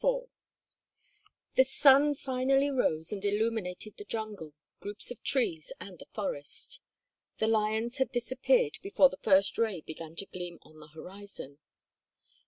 IV The sun finally rose and illuminated the jungle, groups of trees, and the forest. The lions had disappeared before the first ray began to gleam on the horizon.